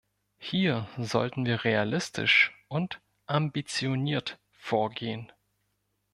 Hier sollten wir realistisch und ambitioniert vorgehen.